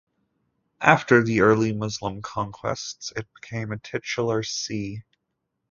After the early Muslim conquests it became a titular see.